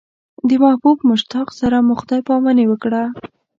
د محبوب مشتاق سره مو خدای پاماني وکړه.